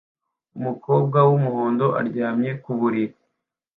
Umukobwa wumuhondo uryamye ku buriri